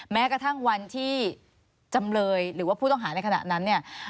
แม้กระทั่งวันที่จำเลยหรือว่าผู้ต้องหาในขณะนั้นเนี่ย